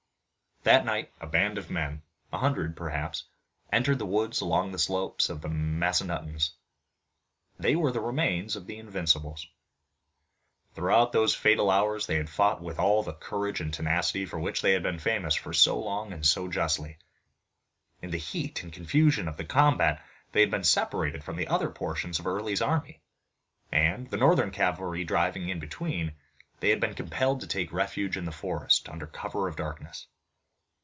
That night a band of men, a hundred perhaps, entered the woods along the slopes of the Massanuttons. They were the remains of the Invincibles. Throughout those fatal hours they had fought with all the courage and tenacity for which they had been famous so long and so justly. In the heat and confusion of the combat they had been separated from the other portions of Early's army, and, the Northern cavalry driving in between, they had been compelled to take refuge in the forest, under cover of darkness.